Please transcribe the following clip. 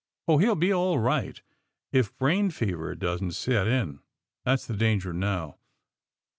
^'Oh, he'll be all right, if brain fever doesn't set in. That's the danger now.